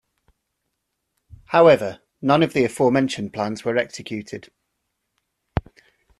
However, none of the aforementioned plans were executed.